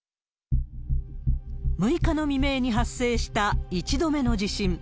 ６日の未明に発生した１度目の地震。